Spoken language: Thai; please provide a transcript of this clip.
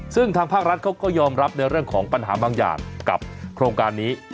ซึ่งทางภาครัฐเขาก็ยอมรับในเรื่องของปัญหาบางอย่างกับโครงการนี้